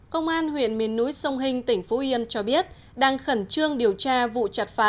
công an huyện miền núi sông hinh tỉnh phú yên cho biết đang khẩn trương điều tra vụ chặt phá